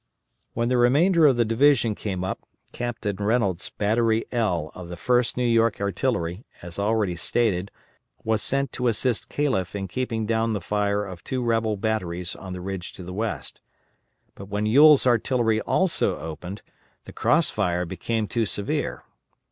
When the remainder of the division came up, Captain Reynolds' Battery "L" of the 1st New York Artillery, as already stated, was sent to assist Calef in keeping down the fire of two rebel batteries on the ridge to the west; but when Ewell's artillery also opened, the cross fire became too severe.